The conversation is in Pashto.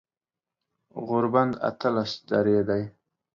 غوربند اتلس درې دی